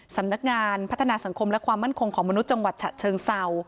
สำนักงานพัฒนาสังคมและความมั่นคงของมนุษย์จังหวัดฉะเชิงเศร้า